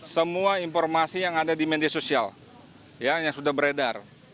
semua informasi yang ada di media sosial yang sudah beredar